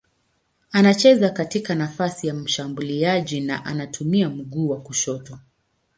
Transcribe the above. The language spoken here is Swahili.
Anacheza katika nafasi ya mshambuliaji na anatumia mguu wa kushoto.